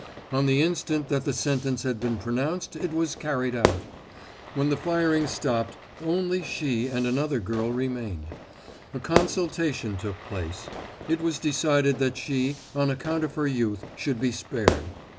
On the instant that the sentence had been pronounced it was carried out. When the firing stopped, only she and another girl remained. A consultation took place; it was decided that she, on account of her youth, should be spared.